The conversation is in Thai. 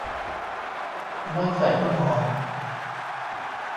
ไม่ใส่ต้นหอม